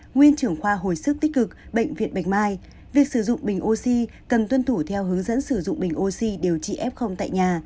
nguyên trưởng khoa hồi sức tích cực bệnh viện bạch mai việc sử dụng bình oxy cần tuân thủ theo hướng dẫn sử dụng bình oxy điều trị f tại nhà